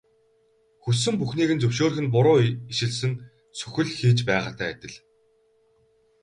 Хүссэн бүхнийг нь зөвшөөрөх нь буруу ишилсэн сүх л хийж байгаатай адил.